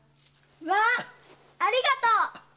わぁありがとう！